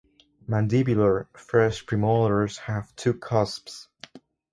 Mandibular first premolars have two cusps.